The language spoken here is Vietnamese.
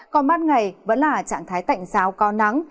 còn ban ngày vẫn là trạng thái tạnh xáo cao nắng